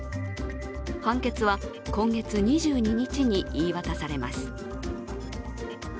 判決は今月２２日に言い渡されます。